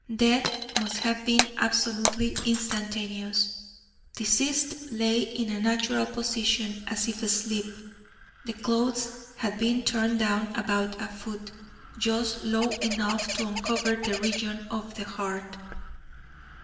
Death must have been absolutely instantaneous. Deceased lay in a natural position, as if asleep. The clothes had been turned down about a foot, just low enough to uncover the region of the heart.